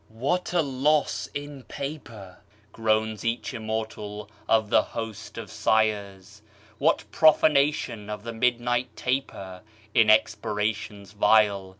"What a loss in paper," Groans each immortal of the host of sighers! "What profanation of the midnight taper In expirations vile!